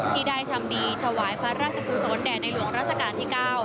ที่ได้ทำดีถวายพระราชกุศลแด่ในหลวงราชการที่๙